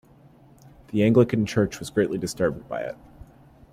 The Anglican Church was greatly disturbed by it.